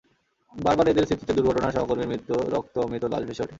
বারবার এঁদের স্মৃতিতে দুর্ঘটনা, সহকর্মীর মৃত্যু, রক্ত, মৃত লাশ ভেসে ওঠে।